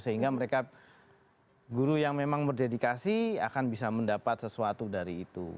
sehingga mereka guru yang memang berdedikasi akan bisa mendapat sesuatu dari itu